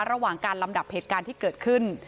ระหว่างการลำดับเหตุการณ์ที่เกิดขึ้น